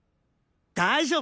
大丈夫！